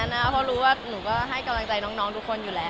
ผู้คนทรณีก็รู้ว่าผมจะให้กำลังใจน้องทุกคนอยู่แล้ว